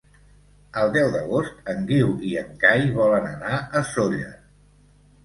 El deu d'agost en Guiu i en Cai volen anar a Sóller.